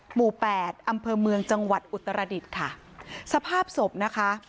แปดอำเภอเมืองจังหวัดอุตรดิษฐ์ค่ะสภาพศพนะคะ